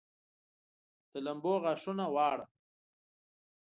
د لمبو غاښونه واړه